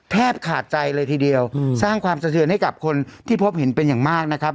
แทบขาดใจเลยทีเดียวสร้างความสะเทือนให้กับคนที่พบเห็นเป็นอย่างมากนะครับ